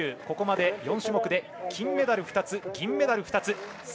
ここまで４種目で金メダル２つ、銀メダル２つ。